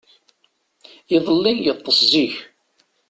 Iḍelli, yeṭṭes zik.